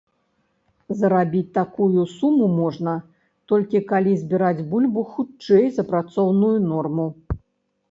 Зарабіць такую суму можна, толькі калі збіраць бульбу хутчэй за працоўную норму.